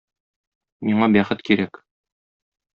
Миңа бәхет кирәк.